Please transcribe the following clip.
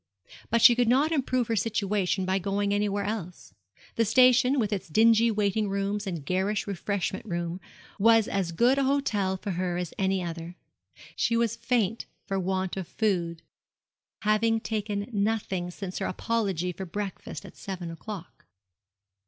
But she could not improve her situation by going anywhere else. The station, with its dingy waiting rooms and garish refreshment room, was as good an hotel for her as any other. She was faint for want of food, having taken nothing since her apology for breakfast at seven o'clock.